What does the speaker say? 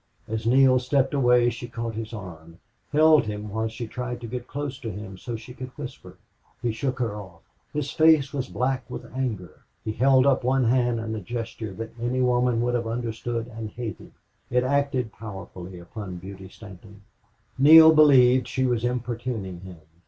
As Neale stepped away she caught his arm held him while she tried to get close to him so she could whisper. He shook her off. His face was black with anger. He held up one hand in a gesture that any woman would have understood and hated. It acted powerfully upon Beauty Stanton. Neale believed she was importuning him.